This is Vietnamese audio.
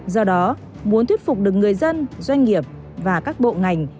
do đó muốn thuyết phục được người dân doanh nghiệp và các bộ ngành